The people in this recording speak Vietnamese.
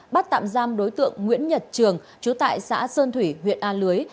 bắt tạm giam đối tượng nguyễn nhật trường chú tại xã sơn thủy huyện an lưới